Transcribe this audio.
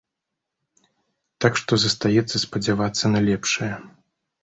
Так што застаецца спадзявацца на лепшае.